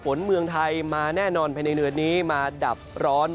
เมืองไทยมาแน่นอนภายในเดือนนี้มาดับร้อน